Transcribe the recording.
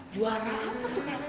juara apa tuh kan